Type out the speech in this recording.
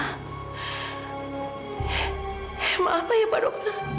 emang apa ya pak dokter